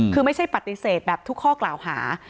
คือไม่ใช่ปฏิเสธแบบทุกข้อกล่าวหา